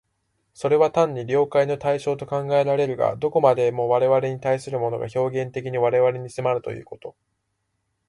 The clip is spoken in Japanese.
それは単に了解の対象と考えられるが、どこまでも我々に対するものが表現的に我々に迫るということ、